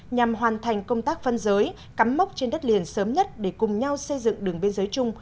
nhằm hoàn thành công tác phân giới cắm mốc trên đất liền sớm nhất để cùng nhau xây dựng đường biên giới chung